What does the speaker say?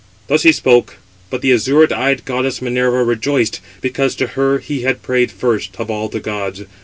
Thus he spoke; but the azure eyed goddess Minerva rejoiced, because to her he had prayed first of all the gods.